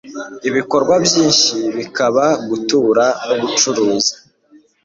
ibikorwa byinshi bikaba gutura n'ubucuruzi.